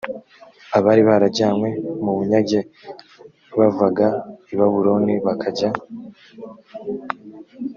abari barajyanywe mu bunyage l bavaga i babuloni bakajya